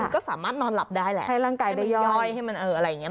ก็สามารถนอนหลับได้แหละให้ร่างกายได้ย่อยให้มันอะไรอย่างนี้